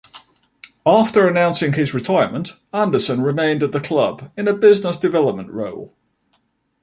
After announcing his retirement, Anderson remained at the club in a business development role.